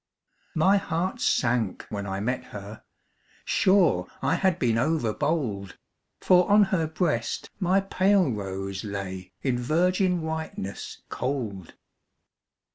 My heart sank when I met her: sure I had been overbold, For on her breast my pale rose lay In virgin whiteness cold.